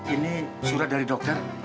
ini surat dari dokter